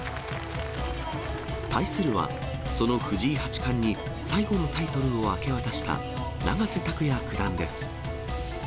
対するは、その藤井八冠に最後のタイトルを明け渡した永瀬拓矢九段です。